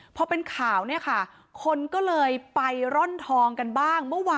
เพราะเป็นข่าวค่ะคนก็เลยไปร่อนทองกันบ้าง